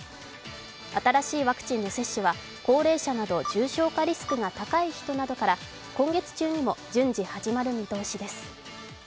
新しいワクチンの接種は高齢者など重症化リスクが高い人などから今月中にも順次始まる見通しです。